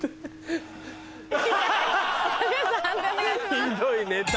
ひどいネタ。